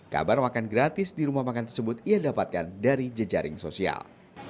kabar makan gratis di rumah makan tersebut ia dapatkan dari jejaring sosial